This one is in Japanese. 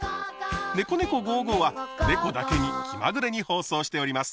「ねこねこ５５」はねこだけに気まぐれに放送しております。